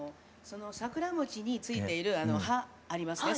桜餅に付いている葉ありますね。